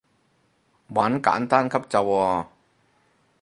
玩簡單級咋喎